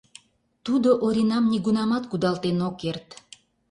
Тудо Оринам нигунамат кудалтен ок керт.